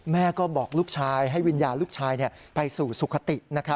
แม่ก็บอกลูกชายให้วิญญาณลูกชายไปสู่สุขติ